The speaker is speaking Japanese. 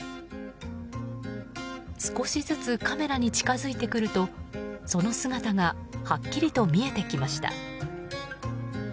少しずつカメラに近づいてくるとその姿がはっきりと見えてきました。